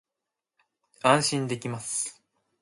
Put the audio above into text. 安心できます